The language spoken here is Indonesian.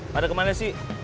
pada kemana sih